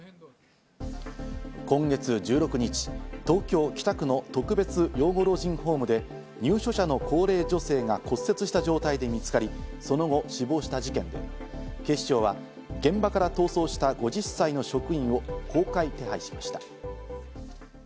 今月１６日、東京・北区の特別養護老人ホームで、入所者の高齢女性が骨折した状態で見つかり、その後、死亡した事件で、警視庁は現場から逃走した５０歳の職員を公開手配しました。